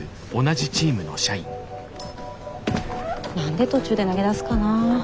何で途中で投げ出すかな。